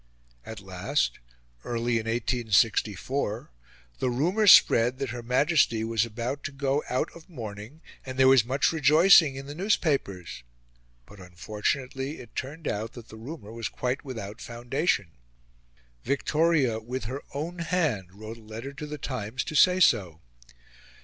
At last, early in 1864, the rumour spread that Her Majesty was about to go out of mourning, and there was much rejoicing in the newspapers; but unfortunately it turned out that the rumour was quite without foundation. Victoria, with her own hand, wrote a letter to The Times to say so.